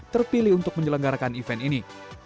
terpilih untuk menyelenggarakan event ini